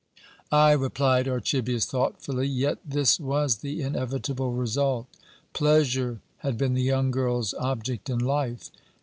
"Ay," replied Archibius thoughtfully, "yet this was the inevitable result. Pleasure had been the young girl's object in life.